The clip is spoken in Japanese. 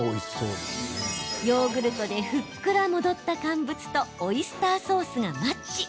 ヨーグルトでふっくら戻った乾物とオイスターソースがマッチ。